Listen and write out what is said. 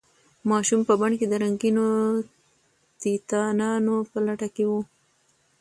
ماشوم په بڼ کې د رنګینو تیتانانو په لټه کې و.